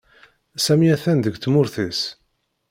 Sami atan deg tmurt is